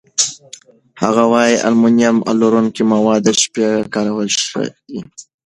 هغه وايي المونیم لرونکي مواد د شپې کارول ښه دي.